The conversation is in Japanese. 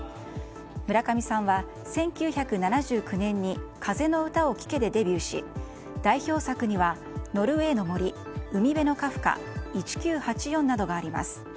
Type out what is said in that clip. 村上さんは１９７９年に「風の歌を聴け」でデビューし代表作には「ノルウェイの森」「海辺のカフカ」「１Ｑ８４」などがあります。